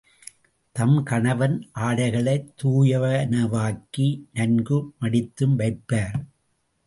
தம் கணவன் ஆடைகளைத் தூயனவாக்கி நன்கு மடித்தும் வைப்பர்.